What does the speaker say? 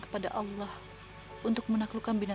semua orang membicarakan dia